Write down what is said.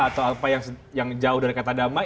atau apa yang jauh dari kata damai